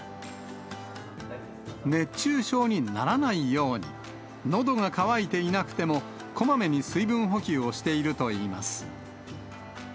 熱中症にならないように、のどが渇いていなくても、こまめに水分補給をしているといいます。